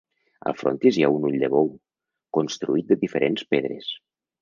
Al frontis hi ha un ull de bou, construït de diferents pedres.